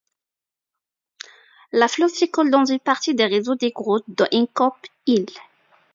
Le fleuve s’écoule dans une partie du réseau des grottes de Honeycomb Hill.